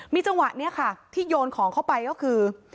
มีจังหวะนี้ค่ะที่โยนของเข้าไปก็คือ